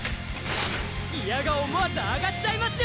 ギアが思わず上がっちゃいますよ！